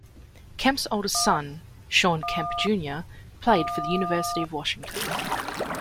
Kemp's oldest son, Shawn Kemp Junior played for the University of Washington.